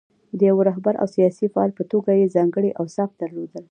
د یوه رهبر او سیاسي فعال په توګه یې ځانګړي اوصاف درلودل.